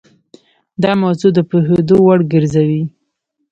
دا موضوع د پوهېدو وړ ګرځوي.